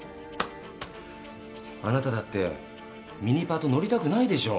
あなただってミニパト乗りたくないでしょ？